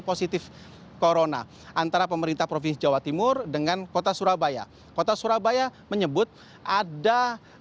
positif corona antara pemerintah provinsi jawa timur dengan kota surabaya kota surabaya menyebut ada